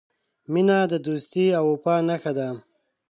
• مینه د دوستۍ او وفا نښه ده.